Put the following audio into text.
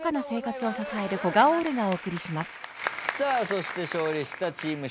そして勝利したチーム